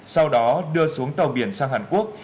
sau đó đưa xuống tàu biển sang hàn quốc